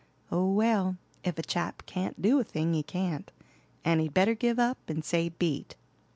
"Oh, well, if a chap can't do a thing he can't; and he'd better give up and say, 'Beat.'"